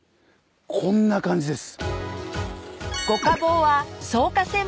こんな感じです。